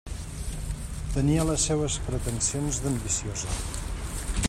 Tenia les seues pretensions d'ambiciosa.